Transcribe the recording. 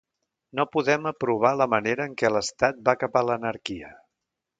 No podem aprovar la manera en què l'estat va cap a l'anarquia.